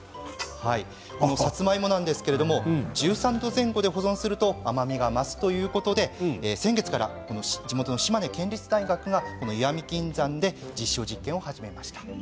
このさつまいもなんですが１３度前後で保存すると甘みが増すということで先月から地元の島根県立大学が石見銀山で実証実験を始めました。